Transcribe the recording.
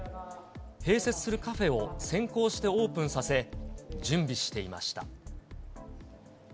併設するカフェを先行してオープンさせ、準備していました。